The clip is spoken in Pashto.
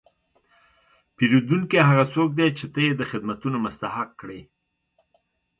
پیرودونکی هغه څوک دی چې ته یې د خدمتو مستحق کړې.